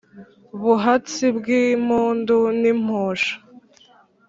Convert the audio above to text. buhatsi bw’impundu n’imposha,